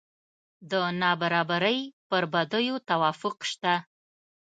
د نابرابرۍ پر بدیو توافق شته.